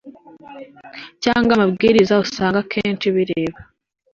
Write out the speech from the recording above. cyangwa amabwiriza usanga akenshi bireba